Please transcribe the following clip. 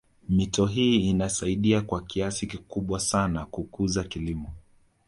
Mito hii inasaidia kwa kiasi kikubwa sana kukuza kilimo